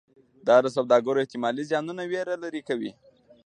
دا د سوداګرو احتمالي زیانونو ویره لرې کوي.